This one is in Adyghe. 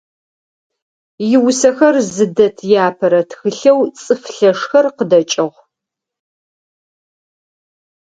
Иусэхэр зыдэт иапэрэ тхылъэу «Цӏыф лъэшхэр» къыдэкӏыгъ.